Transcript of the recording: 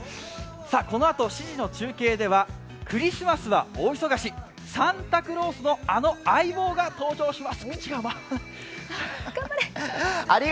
このあと７時の中継ではクリスマスは大忙し、サンタクロースのあの相棒が登場します。